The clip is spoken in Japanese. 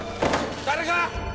誰か！